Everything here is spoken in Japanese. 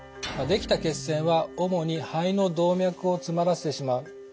できた血栓は主に肺の動脈を詰まらせてしまう。